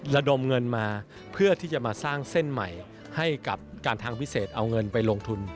ระดมเงินมาเพื่อที่จะมาสร้างเส้นใหม่ให้กับการทางพิเศษเอาเงินไปลงทุน